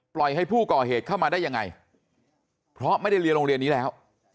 ให้ผู้ก่อเหตุเข้ามาได้ยังไงเพราะไม่ได้เรียนโรงเรียนนี้แล้ว